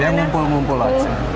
ya mumpul mumpul aja